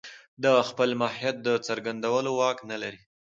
د خپل ماهيت د څرګندولو واک نه لري.